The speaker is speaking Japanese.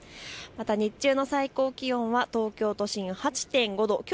また日中の最高気温は東京都心８．５度。